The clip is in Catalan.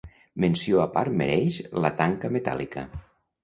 Menció a part mereix la tanca metàl·lica.